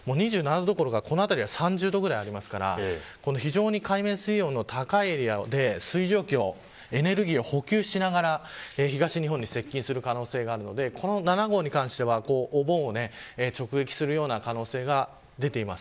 この辺りは３０度ぐらいありますから、非常に海面水温の高いエリアで水蒸気のエネルギーを補給しながら東日本に接近する可能性があるので７号に関してはお盆を直撃するような可能性が出ています。